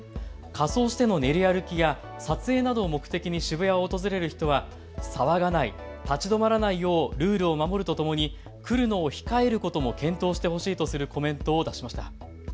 仮装しての練り歩きや撮影などを目的に渋谷を訪れる人は騒がない、立ち止まらないようルールを守るとともに来るのを控えることも検討してほしいとするコメントを出しました。